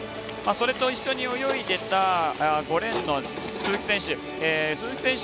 それと一緒に泳いでた５レーンの鈴木選手。